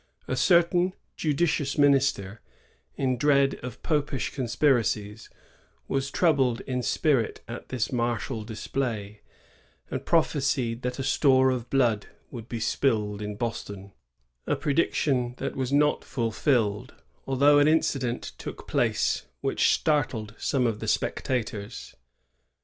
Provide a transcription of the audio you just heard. '* A certain "judicious minister," in dread of popish conspiracies, was troubled in spirit at this martial display, and prophesied that "store of blood would be spilled in Boston,'* — a prediction that was not fulfilled, although an incident took place which startled some of the spectators.